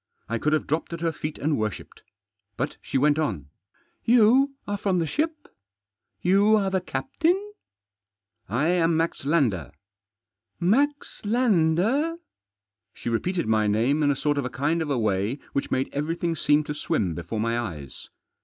I could have dropped at her feet and worshipped. But she went on :" You are from the ship ? You are the captain ?"" I am Max Lander." " Max Lander ?" She repeated my name in a sort of a kind of a way which made everything seem to swim before my eyes.